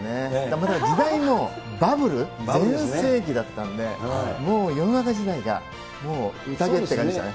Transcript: また時代もバブル全盛期だったんで、もう世の中自体が、もう宴って感じでしたね。